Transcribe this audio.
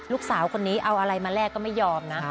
ลูกสาวคนนี้เอาอะไรมาแลกก็ไม่ยอมนะ